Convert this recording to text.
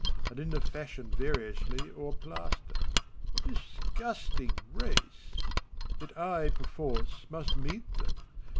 And in the fashion variously o'erplaster: — Disgusting race! Yet I, perforce, must meet them.